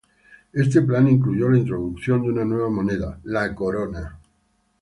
Este plan incluyó la introducción de una nueva moneda, la corona.